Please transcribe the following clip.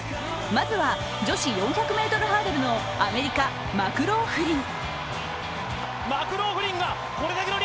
まずは女子４００ｍハードルのアメリカ、マクローフリン。